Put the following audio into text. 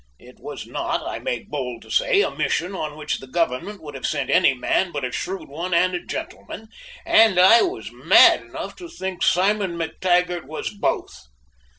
It was not, I make bold to say, a mission on which the Government would have sent any man but a shrewd one and a gentleman, and I was mad enough to think Simon Mac Taggart was both.